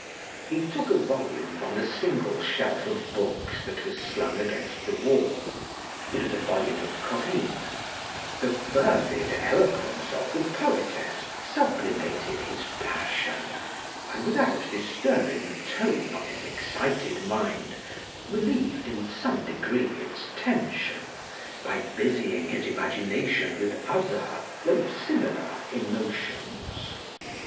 He took a volume from the single shelf of books that was slung against the wall; it was a volume of Corinne. The fervid eloquence of the poetess sublimated his passion; and without disturbing the tone of his excited mind, relieved in some degree its tension, by busying his imagination with other, though similar emotions.